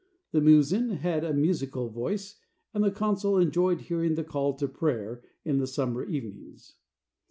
The muezzin had a musical voice, and the consul enjoyed hearing the call to prayer in the summer evenings.